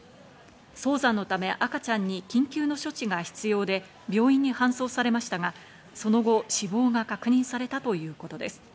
早産のため、赤ちゃんに緊急の処置が必要で、病院に搬送されましたが、その後、死亡が確認されたということです。